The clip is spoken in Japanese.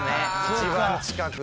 一番近くの。